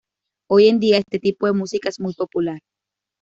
Hoy en día, este tipo de música es muy popular.